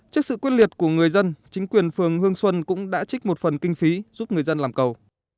trước sự quyết liệt của người dân chính quyền phường hương xuân cũng đã trích một phần kinh phí giúp người dân làm cầu